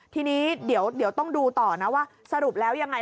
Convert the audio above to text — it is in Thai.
ทีนี้เดี๋ยวต้องดูต่อนะว่าสรุปแล้วยังไง